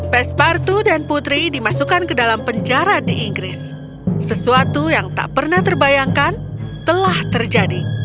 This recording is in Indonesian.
pespartu dan putri dimasukkan ke dalam penjara di inggris sesuatu yang tak pernah terbayangkan telah terjadi